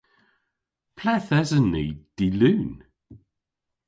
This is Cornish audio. Ple'th esen ni dy'Lun?